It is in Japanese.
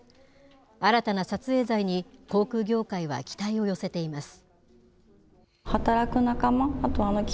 新たな撮影罪に、航空業界は期待を寄せています。